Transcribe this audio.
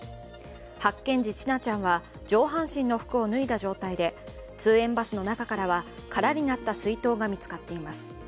発見時、千奈ちゃんは上半身の服を脱いだ状態で通園バスの中からは空になった水筒が見つかっています。